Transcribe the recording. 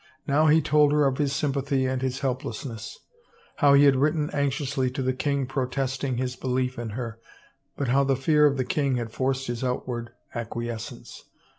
Now he told her of his sympathy and his helplessness — how he had written anxiously to the king protesting his belief in her, but how the fear of the king had forced his outward acquiescence.